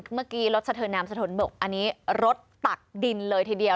เมื่อกี้รถสะเทินนามสะทนบกอันนี้รถตักดินเลยทีเดียว